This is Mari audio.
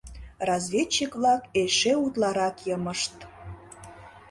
Разведчик-влак эше утларак йымышт.